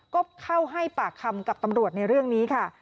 ก็เข้าให้ปากคำกับตำรวจในเรื่องนี้ค่ะ